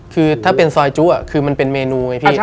คือถ้าเป็นซอยจุคือมันเป็นเมนูไงพี่